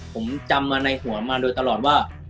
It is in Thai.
ผมจำมาในหัวมาโดยตลอดว่า